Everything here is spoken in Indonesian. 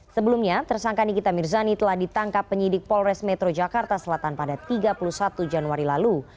sebelumnya tersangka nikita mirzani telah ditangkap penyidik polres metro jakarta selatan pada tiga puluh satu januari lalu